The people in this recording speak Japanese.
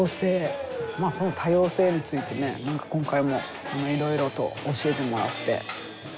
その多様性について何か今回もいろいろと教えてもらって。